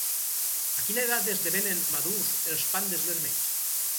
A quina edat esdevenen madurs els pandes vermells?